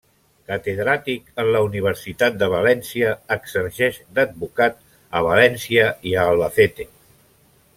Catedràtic en la Universitat de València, exerceix d'advocat a València i a Albacete.